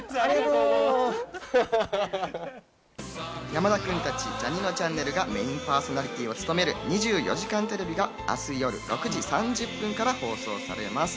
山田君たち『ジャにのちゃんねる』がメインパーソナリティーを務める『２４時間テレビ』が明日夜６時３０分から放送されます。